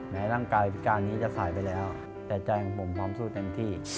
ร่างกายพิการนี้จะสายไปแล้วแต่ใจของผมพร้อมสู้เต็มที่